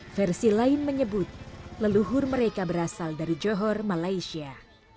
versi lain menyebut leluhur mereka berasal dari johor malaysia